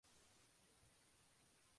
Ellos tienen enemigos pop, los "Twin Pop".